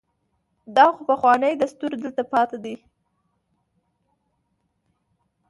دا خو پخوانی دستور دلته پاتې دی.